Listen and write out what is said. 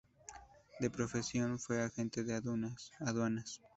De profesión fue agente de aduanas.